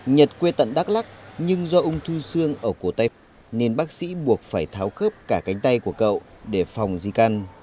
nhật quê tận đắk lắc nhưng do ung thư xương ở cổ tay nên bác sĩ buộc phải tháo khớp cả cánh tay của cậu để phòng di căn